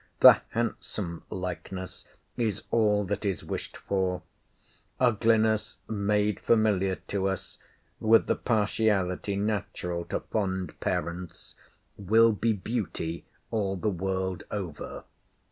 The handsome likeness is all that is wished for. Ugliness made familiar to us, with the partiality natural to fond parents, will be beauty all the world over.